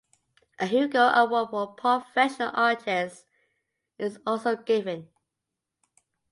A Hugo Award for professional artists is also given.